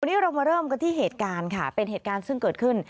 วันนี้เรามาเริ่มกันที่เหตุการณ์ค่ะเป็นเหตุการณ์ซึ่งเกิดขึ้น